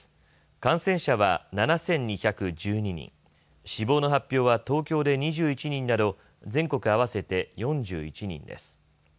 感染者は７２１２人、死亡の発表は東京で２１人など全国合わせて４１人です。